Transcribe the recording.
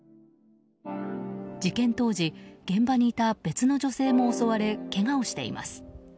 事件当時現場にいた別の女性も襲われけがをしています。